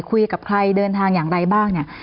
คุยกับใครเดินทางอย่างไรบ้างเนี่ย